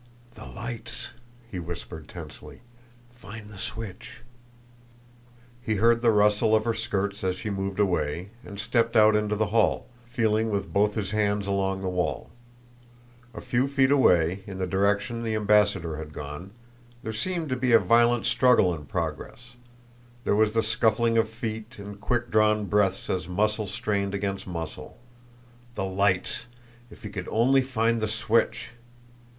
"The lights!" he whispered tensely. "Find the switch!" He heard the rustle of her skirts as she moved away, and stepped out into the hall, feeling with both his hands along the wall. A few feet away, in the direction the ambassador had gone, there seemed to be a violent struggle in progress there was the scuffling of feet, and quick drawn breaths as muscle strained against muscle. The lights! If he could only find the switch!